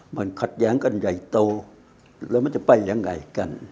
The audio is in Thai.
มันขัดแย้งกันใหญ่โตแล้วมันจะไปยังไงกัน